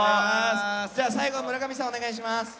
最後、村上さんお願いします。